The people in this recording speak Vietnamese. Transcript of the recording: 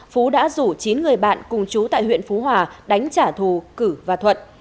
phú đã rủ chín người bạn cùng chú tại huyện phú hòa đánh trả thù cử và thuận